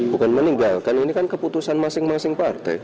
bukan meninggalkan ini kan keputusan masing masing partai